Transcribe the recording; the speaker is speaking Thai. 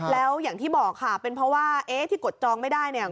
แล้วอย่างที่บอกค่ะเป็นเพราะว่าเอ๊ะที่กดจองไม่ได้เนี่ย